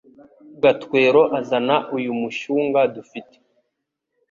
Gatwero azana uyu mushyunga dufite